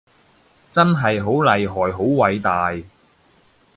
真係好厲害好偉大